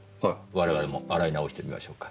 我々も洗い直してみましょうか。